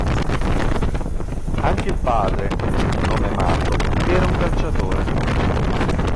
Anche il padre, di nome Mato, era un calciatore.